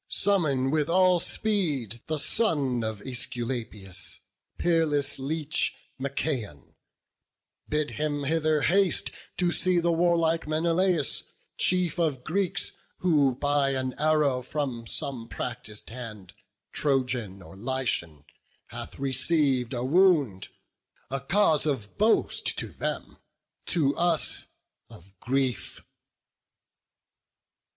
summon with all speed The son of Æsculapius, peerless leech, Machaon; bid him hither haste to see The warlike Menelaus, chief of Greeks, Who by an arrow from some practis'd hand, Trojan or Lycian, hath receiv'd a wound; A cause of boast to them, to us of grief."